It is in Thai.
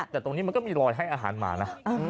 แต่ตรงนี้มันก็มีรอยให้อาหารหมานะ